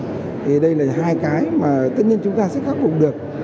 thì đây là hai cái mà tất nhiên chúng ta sẽ khắc phục được